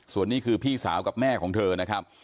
ส่วนนี้คือพี่สาวกับแม่ของเธอนะครับ